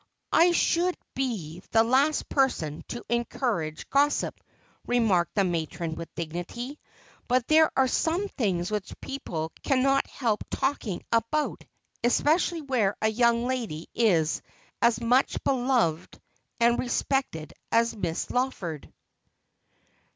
' I should be the last person to encourage gossip,' remarked the matron with dignity, ' but there are some things which people cannot help talking about, especially where a young lady is as much beloved and respected as Miss Lawford.'